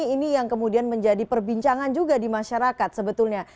ini yang kemudian menjadi perbincangan juga di masyarakat sebetulnya